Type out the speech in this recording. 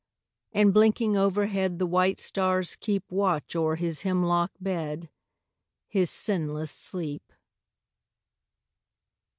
And blinking overhead the white stars keep Watch o'er his hemlock bed his sinless sleep.